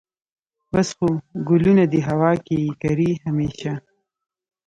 بس خو ګلونه دي هوا کې یې کرې همیشه